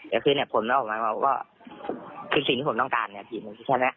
แต่คือผมไม่ได้ออกมาว่าคือสิ่งที่ผมต้องการคือผิดของผมใช่ไหม